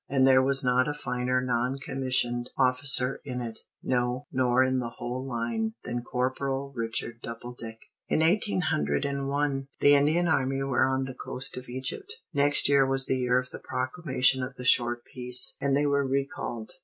And there was not a finer non commissioned officer in it, no, nor in the whole line, than Corporal Richard Doubledick. In eighteen hundred and one, the Indian army were on the coast of Egypt. Next year was the year of the proclamation of the short peace, and they were recalled.